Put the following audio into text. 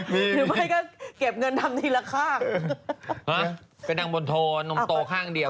หรือไม่ก็เก็บเงินทำทีละข้างไปนั่งบนโทนมโตข้างเดียว